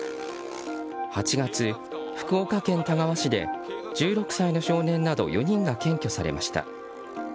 ８月、福岡県田川市で１６歳の少年など４人が検挙されました。